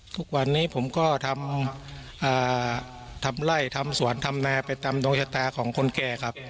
ทุกวันนี้ผมก็ทำไล่ทำสวนทำนาไปตามดวงชะตาของคนแก่ครับ